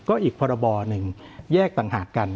ก็อีกพรบหนึ่งแยกต่างหากกัน